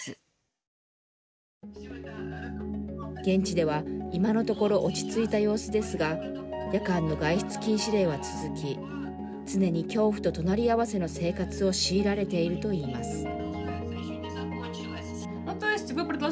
現地では、今のところ落ち着いた様子ですが夜間の外出禁止令は続き常に恐怖と隣合わせの生活を強いられているといいます。